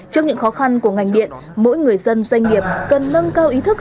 trước những khó khăn của ngành điện mỗi người dân doanh nghiệp cần nâng cao ý thức